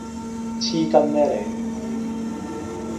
黐筋咩你